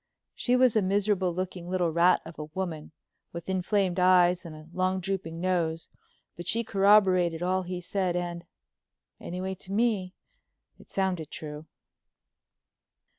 She was a miserable looking little rat of a woman, with inflamed eyes and a long drooping nose, but she corroborated all he said, and—anyway, to me—it sounded true.